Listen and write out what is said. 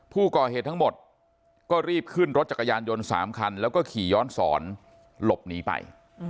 ผู้ก่อเหตุทั้งหมดก็รีบขึ้นรถจักรยานยนต์๓คันแล้วก็ขี่ย้อนสอนหลบหนีไป